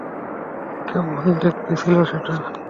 কেমন দেখতে ছিল সেটা?